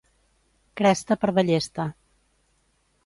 Cresta per ballesta.